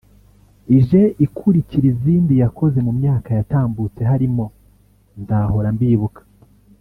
ije ikurikira izindi yakoze mu myaka yatambutse harimo ’Nzahora Mbibuka’